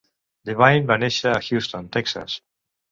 Devine va néixer a Houston, Texas.